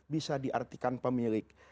bisa diartikan pemilik